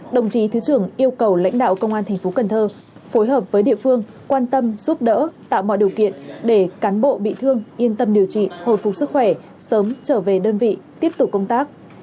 đồng chí thứ trưởng yêu cầu lãnh đạo công an thành phố cần thơ phối hợp với địa phương quan tâm giúp đỡ tạo mọi điều kiện để cán bộ bị thương yên tâm điều trị hồi phục sức khỏe sớm trở về đơn vị tiếp tục công tác